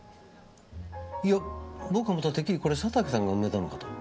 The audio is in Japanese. いや僕はまたてっきりこれ佐竹さんが埋めたのかと。